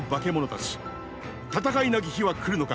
戦いなき日は来るのか。